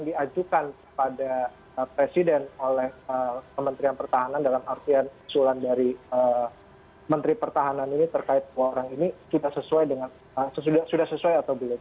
di ajukan pada presiden oleh kementerian pertahanan dalam artian usulan dari menteri pertahanan ini terkait dua orang ini sudah sesuai atau belum